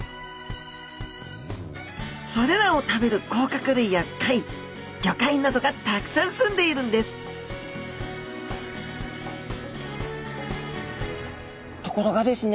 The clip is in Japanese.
それらを食べる甲殻類や貝ゴカイなどがたくさん住んでいるんですところがですね